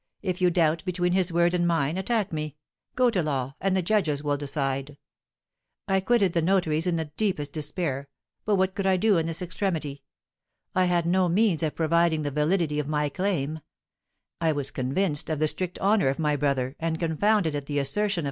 If you doubt between his word and mine, attack me; go to law, and the judges will decide.' I quitted the notary's in the deepest despair. What could I do in this extremity? I had no means of proving the validity of my claim; I was convinced of the strict honour of my brother, and confounded at the assertion of M.